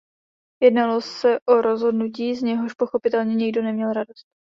Jednalo se o rozhodnutí, z něhož pochopitelně nikdo neměl radost.